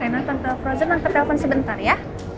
rina tante sprojen angkat telepon sebentar ya